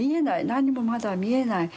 何もまだ見えない。